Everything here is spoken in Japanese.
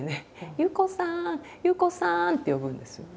「憂子さん憂子さん」って呼ぶんです。